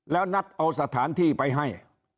แล้วนัดเอาสถานที่ไปให้